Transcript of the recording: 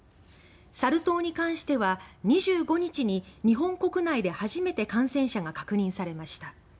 サル痘に関しては２５日に日本国内で初めて感染者が確認されました。